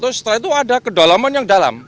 setelah itu ada kedalaman yang tidak ada